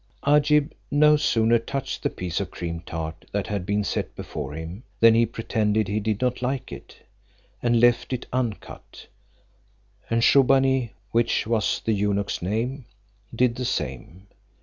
Agib no sooner touched the piece of cream tart that had been set before him, than he pretended he did not like it, and left it uncut; and Shubbaunee (which was the eunuch's name) did the same.